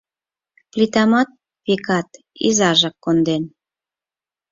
Плитамат, векат, изажак конден.